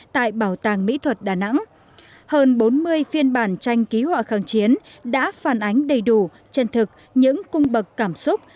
tại bảo tàng mỹ thuật đà nẵng hơn bốn mươi phiên bản tranh ký họa kháng chiến đã phản ánh đầy đủ chân thực những cung bậc cảm xúc